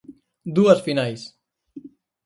Dúas finais.